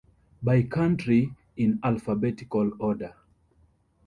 "By country in alphabetical order"